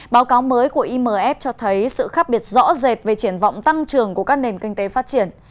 báo cáo mới của imf cho thấy sự khác biệt rõ rệt về triển vọng tăng trưởng của các nền kinh tế phát triển